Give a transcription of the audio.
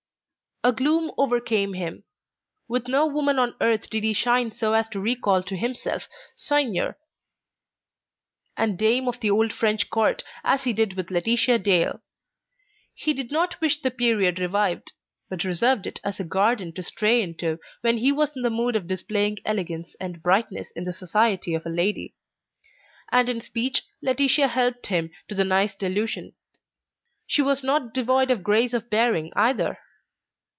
A gloom overcame him. With no woman on earth did he shine so as to recall to himself seigneur and dame of the old French Court as he did with Laetitia Dale. He did not wish the period revived, but reserved it as a garden to stray into when he was in the mood for displaying elegance and brightness in the society of a lady; and in speech Laetitia helped him to the nice delusion. She was not devoid of grace of bearing either.